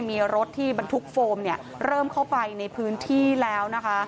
มีรถที่บรรทุกโฟมเริ่มเข้าไปในพื้นที่แล้วนะคะ